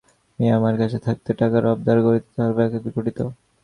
মেয়ে আমার কাছে থাকাতে টাকার আবদার করিতে তাহার ব্যাঘাত ঘটিত।